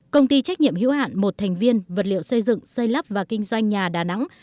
công ty trách nhiệm hữu hạn một thành viên vật liệu xây dựng xây lắp và kinh doanh nhà đà nẵng